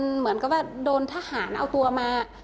เหมือนกับว่าโดนทหารเอาตัวมา